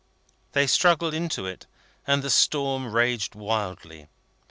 They struggled into it, and the storm raged wildly.